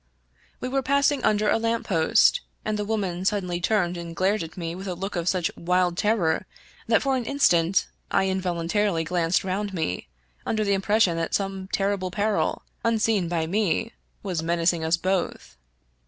We were passing under a lamp post, and the woman sud denly turned and glared at me with a look of such wild terror that for an instant I involuntarily glanced round me under the impression that some terrible peril, unseen by me, was menacing us both.